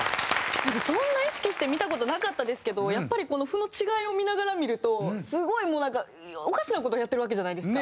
なんかそんな意識して見た事なかったですけどやっぱりこの譜の違いを見ながら見るとすごいもうなんかおかしな事をやってるわけじゃないですか。